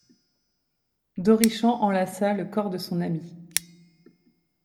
D'Orichamps enlaça le corps de son ami.